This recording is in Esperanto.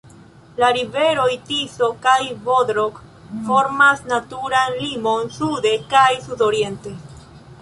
La riveroj Tiso kaj Bodrog formas naturan limon sude kaj sudoriente.